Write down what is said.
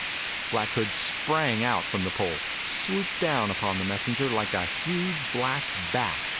Black Hood sprang out from the pole, swooped down upon the messenger like a huge black bat.